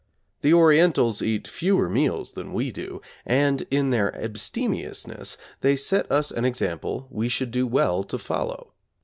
The Orientals eat fewer meals than we do, and in their abstemiousness they set us an example we should do well to follow.